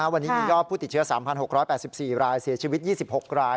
วันนี้มียอดผู้ติดเชื้อ๓๖๘๔รายเสียชีวิต๒๖ราย